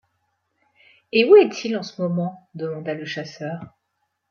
Et où est il en ce moment? demanda le chasseur.